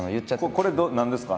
これ何ですか？